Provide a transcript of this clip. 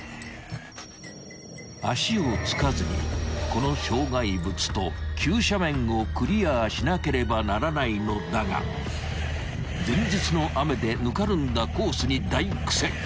［足をつかずにこの障害物と急斜面をクリアしなければならないのだが前日の雨でぬかるんだコースに大苦戦］